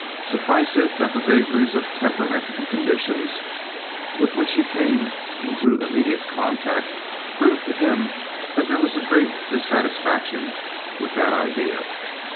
Suffice it that the vagaries of temperament and conditions with which he came into immediate contact proved to him that there was great dissatisfaction with that idea.